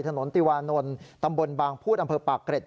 ถนนติวานนท์ตำบลบางพูดอำเภอปากเกร็ด